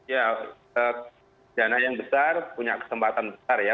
ya dana yang besar punya kesempatan besar ya